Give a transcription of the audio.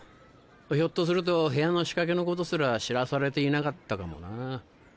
ひょっとすると部屋の仕掛けのことすら知らされていなかったかもな。